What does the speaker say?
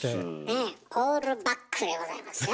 ねえオールバックでございますよ。